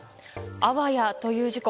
あわやという事故。